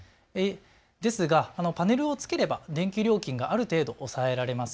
ですがパネルを付ければ電気料金がある程度、抑えられます。